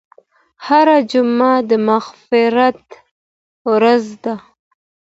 هره جمعه د مغفرت ورځ ده.